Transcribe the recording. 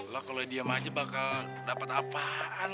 lo kala ini diam aja bakal dapat apaan